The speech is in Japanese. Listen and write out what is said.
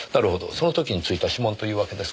その時に付いた指紋というわけですか。